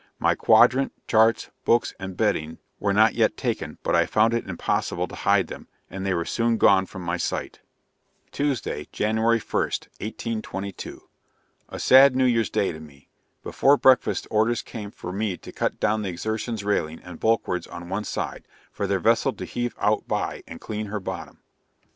My quadrant, charts, books and bedding were not yet taken, but I found it impossible to hide them, and they were soon gone from my sight. [Illustration: A Cave in the Caicos group of the West India Islands.] Tuesday, January 1st, 1822 A sad new year's day to me. Before breakfast orders came for me to cut down the Exertion's railing and bulwarks on one side, for their vessel to heave out by, and clean her bottom.